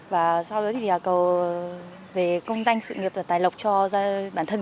và sau đó thì cầu về công doanh sự nghiệp và tài lộc cho gia đình